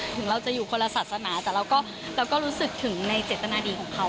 ถึงเราจะอยู่คนละศาสนาแต่เราก็รู้สึกถึงในเจตนาดีของเขา